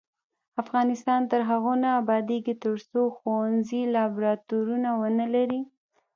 افغانستان تر هغو نه ابادیږي، ترڅو ښوونځي لابراتوارونه ونه لري.